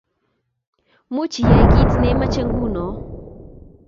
Muuch iyae kiit nemache nguno